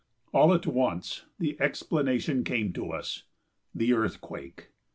All at once the explanation came to us "the earthquake"!